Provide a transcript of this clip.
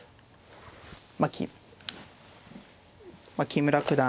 まあ木村九段。